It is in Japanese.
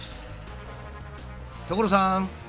所さん！